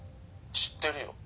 「知ってるよ」